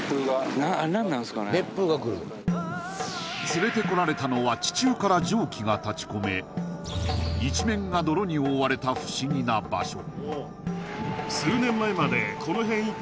連れて来られたのは地中から蒸気が立ちこめ一面が泥に覆われた不思議な場所